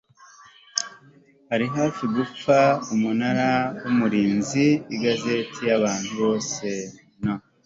ari hafi gupfa Umunara w Umurinzi Igazeti y abantu bose No